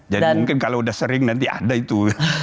jadi mungkin kalau sudah sering nanti ada itu